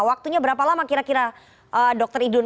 waktunya berapa lama kira kira dr idun